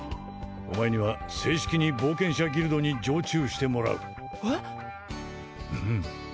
お前には正式に冒険者ギルドに常駐してもらうえっ？